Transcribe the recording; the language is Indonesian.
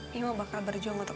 mimo bakal berjuang untuk